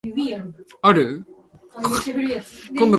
Roughly a quarter of the Icelandic nation died because of the eruption.